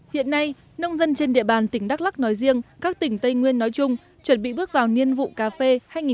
hiện nay nông dân trên địa bàn tỉnh đắk lắc nói riêng các tỉnh tây nguyên nói chung chuẩn bị bước vào niên vụ cà phê hai nghìn một mươi bảy hai nghìn một mươi tám